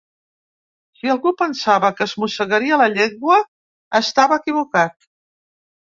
Si algú pensava que es mossegaria la llengua, estava equivocat.